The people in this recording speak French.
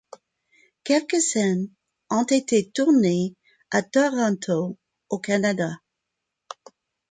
Quelques scènes ont été tournées à Toronto au Canada.